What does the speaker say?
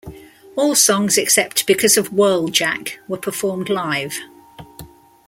All songs except "Because of Whirl-Jack" were performed live.